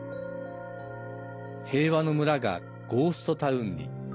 平和の村がゴーストタウンに。